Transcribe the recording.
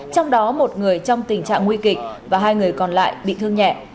trong đó một người trong tình trạng nguy kịch và hai người còn lại bị thương nhẹ